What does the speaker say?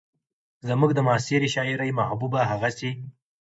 زموږ د معاصرې شاعرۍ محبوبه هغسې